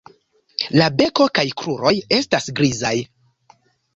La beko kaj kruroj estas grizaj.